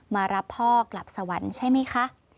มารับพ่อกลับสวรรค์ใช่ไหมคะ